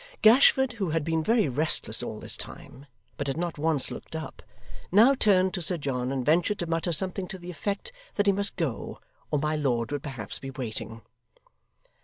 Gashford, who had been very restless all this time, but had not once looked up, now turned to Sir John, and ventured to mutter something to the effect that he must go, or my lord would perhaps be waiting.